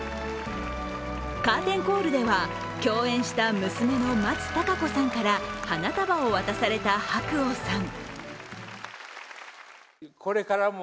カーテンコールでは、共演した娘の松たか子さんから花束を渡された白鸚さん。